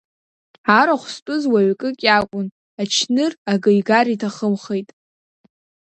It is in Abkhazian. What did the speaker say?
Арахә зтәыз уаҩкык иакәын, ачныр акы игар иҭахымхеит.